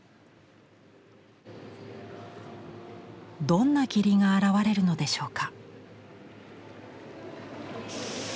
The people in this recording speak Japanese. どんな霧が現れるのでしょうか。